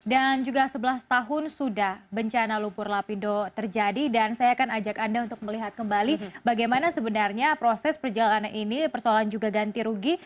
dan juga sebelas tahun sudah bencana lumpur lapindo terjadi dan saya akan ajak anda untuk melihat kembali bagaimana sebenarnya proses perjalanan ini persoalan juga ganti rugi